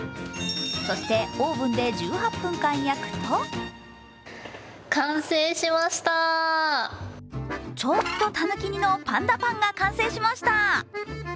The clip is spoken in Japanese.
そして、オーブンで１８分間焼くとちょっとたぬき似のパンダパンが完成しました。